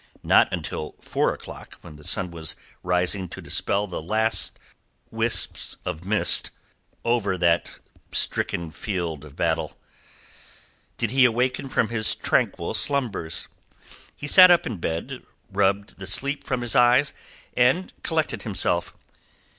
Not until four o'clock, when the sun was rising to dispel the last wisps of mist over that stricken field of battle, did he awaken from his tranquil slumbers. He sat up in bed, rubbed the sleep from his eyes, and collected himself.